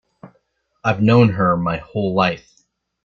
I've known her my whole life.